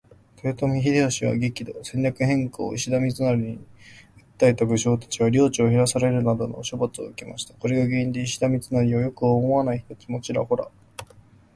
豊臣秀吉は激怒。戦略変更を石田三成に訴えた武将達は領地を減らされるなどの処罰を受けました。これが原因で石田三成を良く思わない人たちもちらほら。